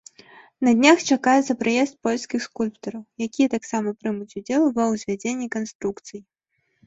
На днях чакаецца прыезд польскіх скульптараў, якія таксама прымуць удзел ва ўзвядзенні канструкцый.